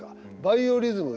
バイオリズム